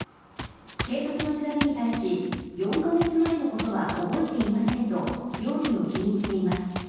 警察の調べに対し４カ月前のことは覚えていませんと容疑を否認しています。